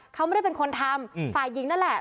เขาไม่ได้เป็นคนทำฝ่ายหญิงนั่นแหละ